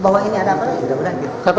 bahwa ini ada apa ya sudah sudah gitu